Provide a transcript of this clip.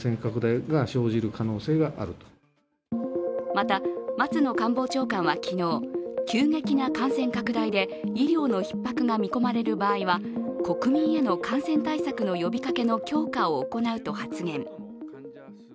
また、松野官房長官は昨日、急激な感染拡大で医療のひっ迫が見込まれる場合は国民への感染対策の呼びかけの強化を行うと発言。